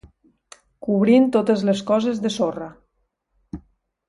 Cobrint totes les coses de sorra.